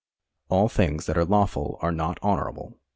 All things that are lawful are not honourable.